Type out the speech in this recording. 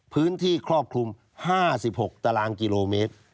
พื้นที่ครอบคลุม๕๖ตารางกิโลเมตร